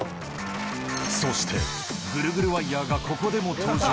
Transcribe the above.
そして、ぐるぐるワイヤーがここでも登場。